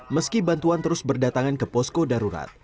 meski bantuan terus berdatangan ke posko darurat